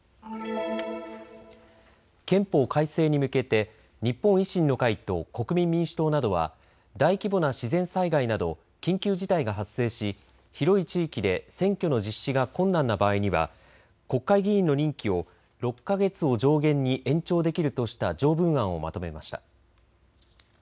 憲法改正に向けて日本維新の会と国民民主党などは大規模な自然災害など緊急事態が発生し広い地域で選挙の実施が困難な場合には国会議員の任期を６か月を上限に延長できるとした条文案をまとめました。